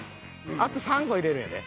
あと３個入れるんやで。